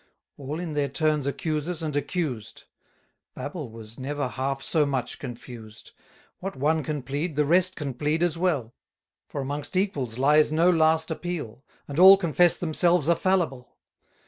All in their turns accusers, and accused: Babel was never half so much confused: 470 What one can plead, the rest can plead as well; For amongst equals lies no last appeal, And all confess themselves are fallible.